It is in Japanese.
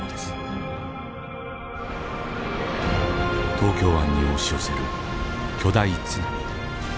東京湾に押し寄せる巨大津波。